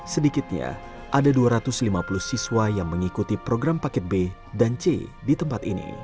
sedikitnya ada dua ratus lima puluh siswa yang mengikuti program paket b dan c di tempat ini